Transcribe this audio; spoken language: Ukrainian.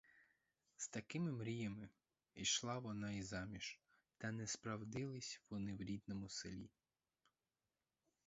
З такими мріями йшла вона й заміж, та не справдились вони в рідному селі!